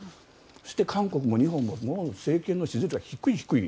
そして、韓国も日本も政権の支持率が低い低い。